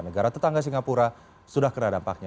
negara tetangga singapura sudah kena dampaknya